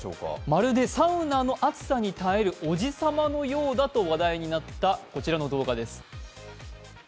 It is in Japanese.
まるでサウナの熱さに耐えるおじ様のようだと話題になったこちらの動画です。